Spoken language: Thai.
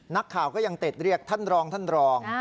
นักข่าวก็ยังติดเรียกท่านรองท่านรอง